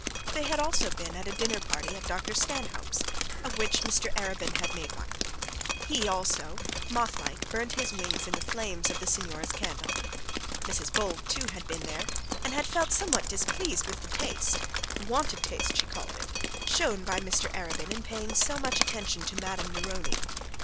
They had also been at a dinner party at Dr Stanhope's, of which Mr Arabin had made one. He also, moth like, burnt his wings in the flames of the signora's candle. Mrs Bold, too, had been there, and had felt somewhat displeased with the taste, want of taste she called it, shown by Mr Arabin in paying so much attention to Madame Neroni.